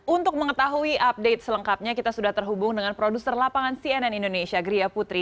untuk mengetahui update selengkapnya kita sudah terhubung dengan produser lapangan cnn indonesia gria putri